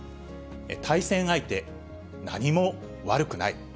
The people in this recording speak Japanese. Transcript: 対戦相手、何も悪くない。